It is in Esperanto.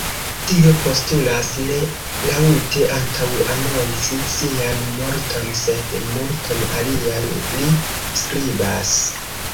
Tio postulas ne laŭte antaŭanonci sian morton sed multon alian”, li skribas.